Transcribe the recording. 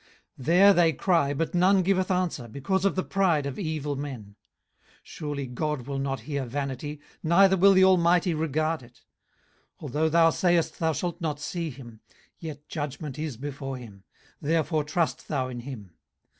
18:035:012 There they cry, but none giveth answer, because of the pride of evil men. 18:035:013 Surely God will not hear vanity, neither will the Almighty regard it. 18:035:014 Although thou sayest thou shalt not see him, yet judgment is before him; therefore trust thou in him.